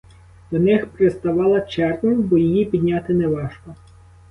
До них приставала чернь, бо її підняти неважко.